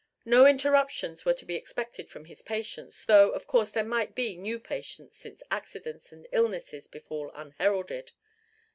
No interruptions were to be expected from his patients, though of course there might be new patients since accidents and illnesses befall unheralded.